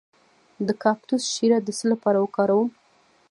د کاکتوس شیره د څه لپاره وکاروم؟